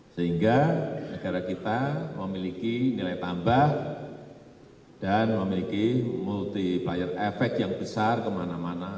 sehingga negara kita memiliki nilai tambah dan memiliki multiplier efek yang besar kemana mana